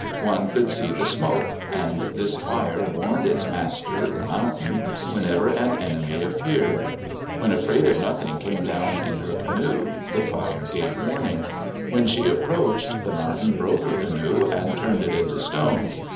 One could see the smoke, and this fire warned its master, the mountain, whenever an enemy appeared. When Afraid of Nothing came down in her canoe, the fire gave warning. When she approached, the mountain broke her canoe and turned it into stone.